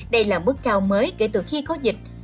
đây là bước cao mới kể từ khi có dịch